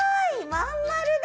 まんまるだ！